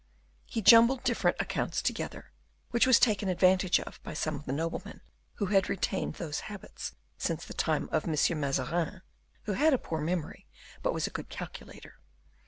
He jumbled different accounts together, which was taken advantage of by some of the noblemen who had retained those habits since the time of Monsieur Mazarin who had a poor memory, but was a good calculator.